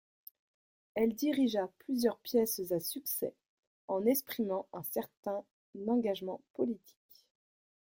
Elle dirigea plusieurs pièces à succès, en exprimant un certain engagement politique.